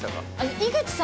井口さん